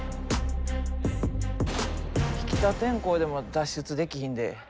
引田天功でも脱出できひんで。